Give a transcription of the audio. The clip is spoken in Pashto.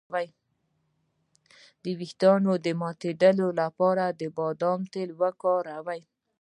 د ویښتو د ماتیدو لپاره د بادام تېل وکاروئ